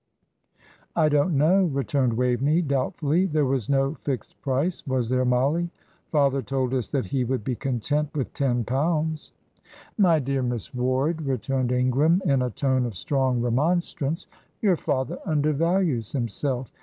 "I don't know," returned Waveney, doubtfully. "There was no fixed price, was there, Mollie? Father told us that he would be content with ten pounds." "My dear Miss Ward," returned Ingram, in a tone of strong remonstrance, "your father undervalues himself.